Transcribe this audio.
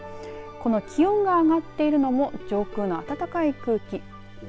気温が上がっているのも上空の暖かい空気。